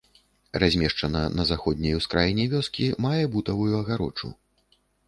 Размешчана на заходняй ускраіне вёскі, мае бутавую агароджу.